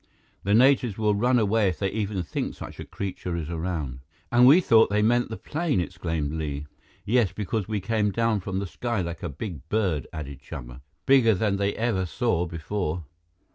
The natives will run away if they even think such a creature is around." "And we thought they meant the plane!" exclaimed Li. "Yes, because we came down from the sky like a big bird," added Chuba. "Bigger than they ever saw before."